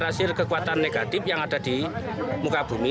untuk menetraksikan kekuatan negatif yang ada di muka bumi